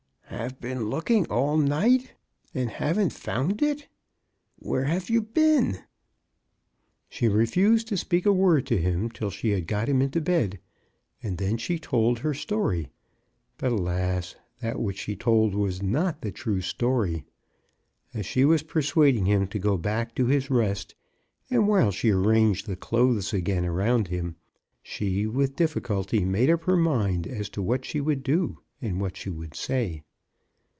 "Have been looking all night, and haven't found it? Where have you been?" MRS. BROWN ATTEMPTS TO ESCAPE. 33 She refused to speak a word to him till she had got him into bed, and then she told her story. But, alas ! that which she told was not the true story. As she was persuading him to go back to his rest, and while she arranged the clothes again around him, she with difficulty made up her mind as to what she would do and what she would say.